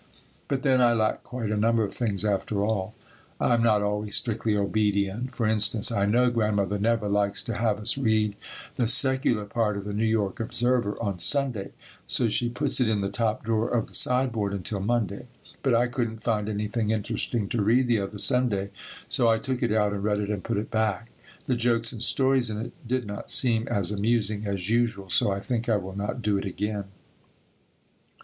But then, I lack quite a number of things after all. I am not always strictly obedient. For instance, I know Grandmother never likes to have us read the secular part of the New York Observer on Sunday, so she puts it in the top drawer of the sideboard until Monday, but I couldn't find anything interesting to read the other Sunday so I took it out and read it and put it back. The jokes and stories in it did not seem as amusing as usual so I think I will not do it again.